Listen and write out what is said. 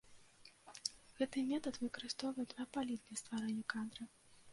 Гэты метад выкарыстоўвае два палі для стварэння кадра.